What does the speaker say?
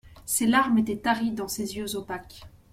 Ses larmes étaient taries dans ses yeux opaques.